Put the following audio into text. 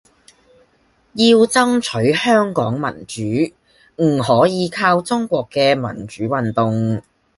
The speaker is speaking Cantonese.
要爭取香港民主，唔可以靠中國嘅民主運動